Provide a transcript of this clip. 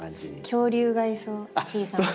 恐竜がいそう小さな。